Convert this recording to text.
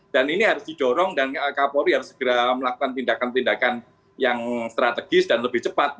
dan ini harus didorong dan kapolri harus segera melakukan tindakan tindakan yang strategis dan lebih cepat